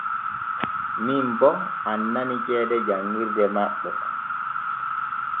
Min bo annani ceede jan ŋirde maɓɓe.